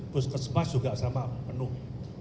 bus kesempatan juga sama penuh